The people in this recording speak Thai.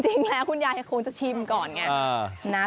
จริงแล้วคุณยายคงจะชิมก่อนไง